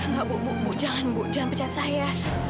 nggak bu jangan bu jangan pecat saya